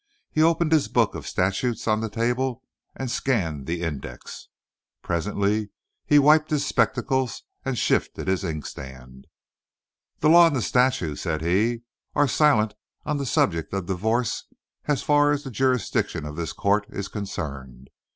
He opened his book of statutes on the table and scanned the index. Presently he wiped his spectacles and shifted his inkstand. "The law and the statutes," said he, "air silent on the subjeck of divo'ce as fur as the jurisdiction of this co't air concerned.